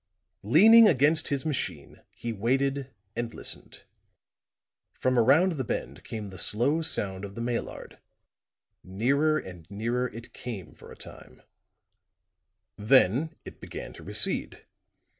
Leaning against his machine he waited and listened. From around the bend came the low sound of the Maillard; nearer and nearer it came for a time; then it began to recede.